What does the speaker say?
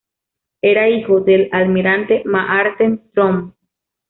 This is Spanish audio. Era el hijo del almirante Maarten Tromp.